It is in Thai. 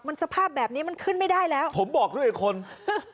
มันสภาพแบบนี้มันขึ้นไม่ได้แล้วผมบอกด้วยคนฮะ